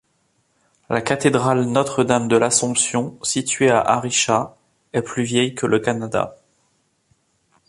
La cathédrale Notre-Dame de l’Assomption, située à Arichat, est plus vieille que le Canada!